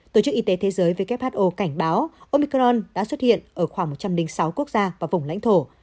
tổ chức y tế thế giới who cảnh báo omicron đã xuất hiện ở khoảng một trăm linh sáu quốc gia và vùng lãnh thổ